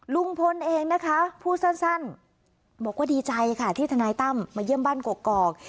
ลุงพลเองนะคะพูดสั้นบอกว่าดีใจค่ะที่ทนายตั้มมาเยี่ยมบ้านกกอก